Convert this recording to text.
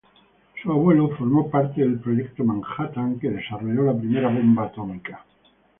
Su abuelo formó parte del Proyecto Manhattan, que desarrolló la primera bomba atómica.